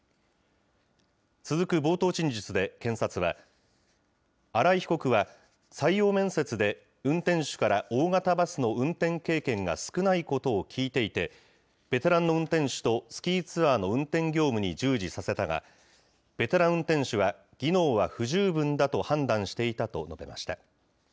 続く冒頭陳述で検察は、あらいひこくは採用面接で、運転手から大型バスの運転経験が少ないことを聞いていて、ベテランの運転手とスキーツアーの運転業務に従事させたが、ベテラン運転手は技能は不十分だと判断していたと述べました。